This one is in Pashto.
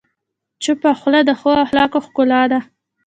چپه خوله، د ښه اخلاقو ښکلا ده.